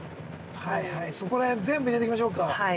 ◆はいはい、そこら辺全部入れていきましょうか。